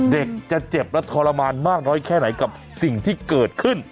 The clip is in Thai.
เด็กจะเจ็บและทรมานมากน้อยแค่ไหนกับสิ่งที่เกิดขึ้น